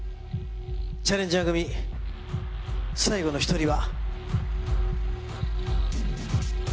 チャレンジャー組、最後の１人は。